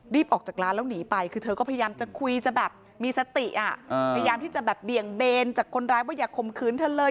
ออกจากร้านแล้วหนีไปคือเธอก็พยายามจะคุยจะแบบมีสติอ่ะพยายามที่จะแบบเบี่ยงเบนจากคนร้ายว่าอย่าข่มขืนเธอเลย